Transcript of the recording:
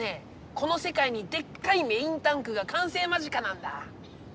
このせかいにでっかいメインタンクがかんせい間近なんだ。